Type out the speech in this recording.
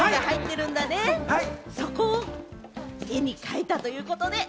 そこを絵に描いたということで。